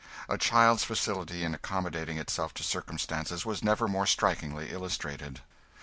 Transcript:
A child's facility in accommodating itself to circumstances was never more strikingly illustrated.